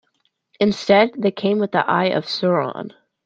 Instead, they came with the Eye of Sauron.